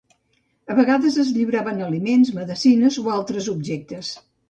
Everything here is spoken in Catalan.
A vegades es lliuraven aliments, medecines o altres objectes.